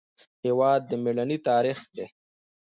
هېواد د میړانې تاریخ دی.